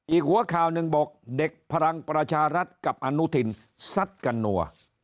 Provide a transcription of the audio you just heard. อีกหัวข่าวหนึ่งบอกเด็กพลังประชารัฐกับอนุทินซัดกันนัว